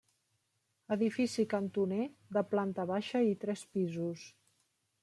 Edifici cantoner de planta baixa i tres pisos.